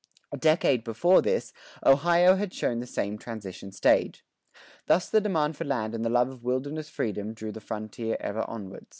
A decade before this, Ohio had shown the same transition stage. Thus the demand for land and the love of wilderness freedom drew the frontier ever onward.